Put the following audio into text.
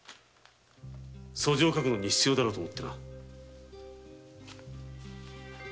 訴状を書くのに必要だろうと思ってな。